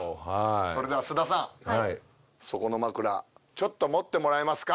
それでは須田さんそこのまくらちょっと持ってもらえますか？